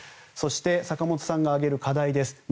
そして坂本さんが挙げる課題です。